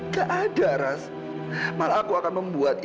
tolong aku deh